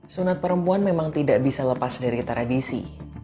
sunat perempuan memang tidak bisa lepas dari tradisi